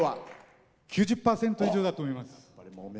９０％以上だと思います。